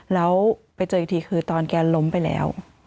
แล้วไปเจออีกทีคือตอนแกล้มไปแล้ว